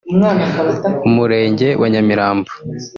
Umurenge wa Nyamirambo